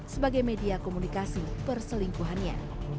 sebagai media komunikasi perselingkuhannya